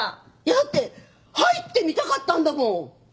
だって入ってみたかったんだもん。